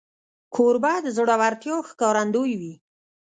کوربه د زړورتیا ښکارندوی وي.